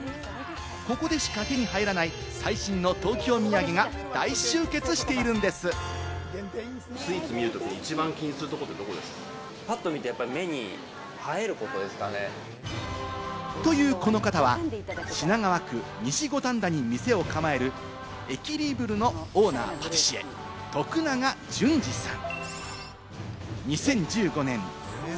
ここでしか手に入らない最新の東京土産が大集結しているんです！というこの方は、品川区西五反田に店を構える、エキリーブルのオーナーパティシエ・徳永純司さん。